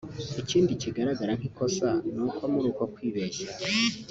Ikindi kigaragara nk’ikosa ni uko muri uko kwibeshya